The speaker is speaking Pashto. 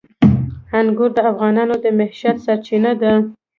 انګور د افغانانو د معیشت سرچینه ده.